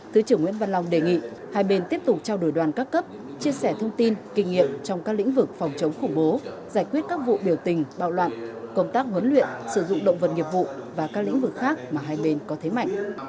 thứ trưởng nguyễn văn long đề nghị hai bên tiếp tục trao đổi đoàn các cấp chia sẻ thông tin kinh nghiệm trong các lĩnh vực phòng chống khủng bố giải quyết các vụ biểu tình bạo loạn công tác huấn luyện sử dụng động vật nghiệp vụ và các lĩnh vực khác mà hai bên có thế mạnh